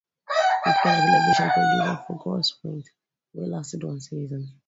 He played a television producer for "Grosse Pointe", which lasted one season.